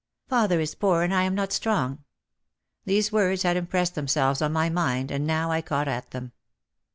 "Father is poor and I am not strong." These words had impressed themselves on my mind and now I caught at them.